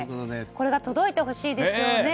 これが届いてほしいですよね。